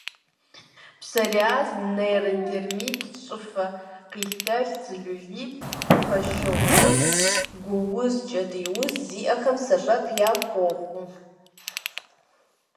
Псориаз, нейродермит, щӏыфэ къилъэлъ, целлюлит, фошыгъу уз, гу уз, кӏэтӏий уз зиӏэхэм сэбэп яхуохъу.